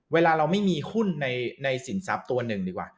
เวลาเราไม่มีหุ้นในสินทรัพย์ตัวหนึ่งดีกว่า